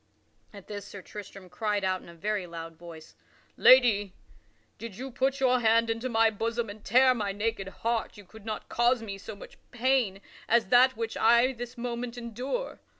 At this Sir Tristram cried out in a very loud voice: "Lady, did you put your hand into my bosom and tear my naked heart, you could not cause me so much pain as that which I this moment endure.